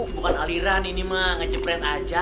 bukan aliran ini mah ngecepret aja